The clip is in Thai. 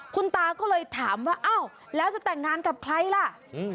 คุณตาก็เลยถามว่าอ้าวแล้วจะแต่งงานกับใครล่ะ